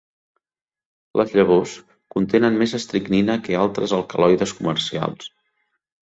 Les llavors contenen més estricnina que altres alcaloides comercials.